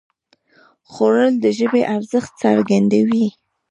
خوړل د ژبې ارزښت څرګندوي